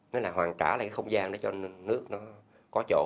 nó là hoàn cả lại cái không gian để cho nước nó có chỗ